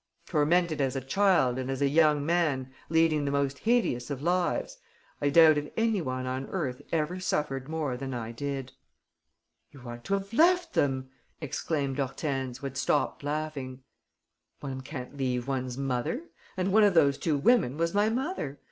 Tormented as a child, and, as a young man, leading the most hideous of lives, I doubt if any one on earth ever suffered more than I did." "You ought to have left them!" exclaimed Hortense, who had stopped laughing. "One can't leave one's mother; and one of those two women was my mother.